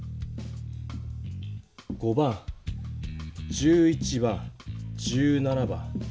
５番１１番１７番。